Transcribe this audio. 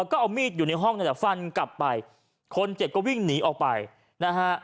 ก็เอามีดอยู่ในห้องนั่นแหละฟันกลับไปคนเจ็บก็วิ่งหนีออกไปนะฮะ